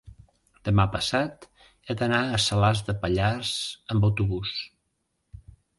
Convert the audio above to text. demà passat he d'anar a Salàs de Pallars amb autobús.